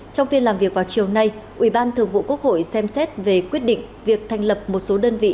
trong phiên làm việc vào chiều nay ủy ban thường vụ quốc hội xem xét về quyết định việc thành lập một số đơn vị